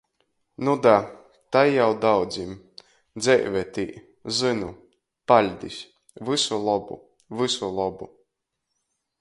Nu da. Tai jau daudzim. Dzeive tī. Zynu. Paļdis. Vysu lobu. Vysu lobu.